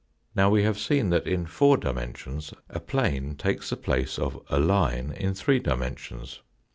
Now we have seen that in four dimensions a plane takes the place of a line in three dimensions.